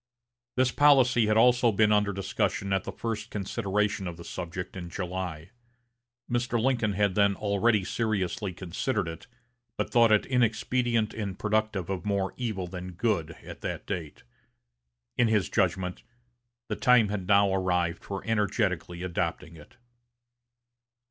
This policy had also been under discussion at the first consideration of the subject in July. Mr. Lincoln had then already seriously considered it, but thought it inexpedient and productive of more evil than good at that date. In his judgment, the time had now arrived for energetically adopting it.